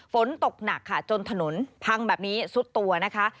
ฝนตกหนักค่ะจนถนนพังแบบนี้ซุดตัวนะคะ